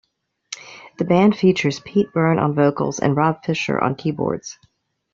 The band features Pete Byrne on vocals and Rob Fisher on keyboards.